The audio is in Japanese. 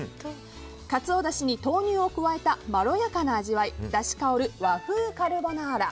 カツオだしに豆乳を加えたまろやかな味わいだし香る和風カルボナーラ。